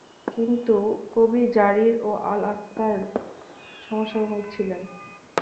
তিনি কবি জারির ও আল-আখতাল’র সমসাময়িক ছিলেন।